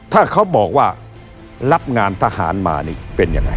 ถ้าเขาบอกว่ารับงานทหารมานี่เป็นยังไง